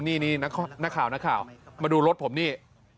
นี่นี่นักข่าวมาดูรถผมนี่